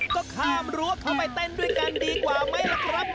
ก็ข้ามรั้วเข้าไปเต้นด้วยกันดีกว่าไหมล่ะครับ